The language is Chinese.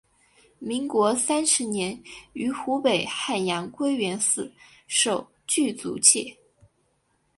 民国三十年于湖北汉阳归元寺受具足戒。